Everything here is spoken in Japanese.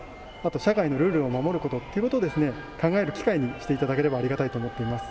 社会のルールを守ることということをですね、考える機会にしていただければありがたいと思っています。